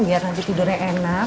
biar nanti tidurnya enak